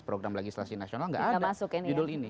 program legislasi nasional tidak ada